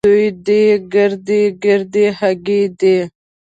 دوې دې ګردۍ ګردۍ هګۍ دي.